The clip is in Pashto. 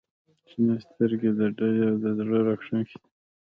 • شنې سترګې د دلې او زړه راښکونکې دي.